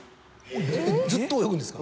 ずっと泳ぐんですか？